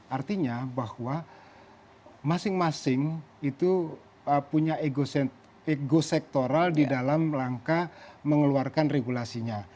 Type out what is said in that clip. artinya bahwa masing masing itu punya ego sektoral di dalam langkah mengeluarkan regulasinya